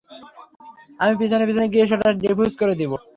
আমি পিছনে পিছনে গিয়ে সেটা ডিফিউজ করে দিব।